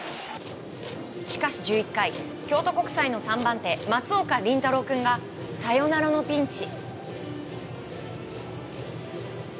しかし１１回、京都国際の３番手松岡凛太朗君がサヨナラのピンチ。